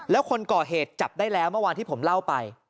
แล้วคนก่อเหตุจับได้แล้วเมื่อวานที่ผมเล่าไป